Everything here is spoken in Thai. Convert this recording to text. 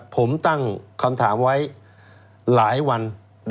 ผมตั้งคำถามไว้หลายวัน